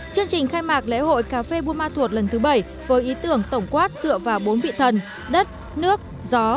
chương trình khai mạc lễ hội cà phê buôn ma thuột lần thứ bảy với ý tưởng tổng quát dựa vào bốn vị thần đất nước gió